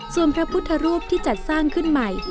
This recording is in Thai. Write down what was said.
ส่วนพระพุทธรูปที่จัดสร้างขึ้นใหม่